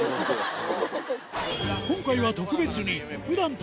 今回は特別にほら！